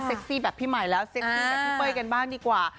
ซี่แบบพี่ใหม่แล้วเซ็กซี่แบบพี่เป้ยกันบ้างดีกว่า